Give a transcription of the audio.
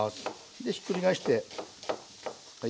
でひっくり返してはい。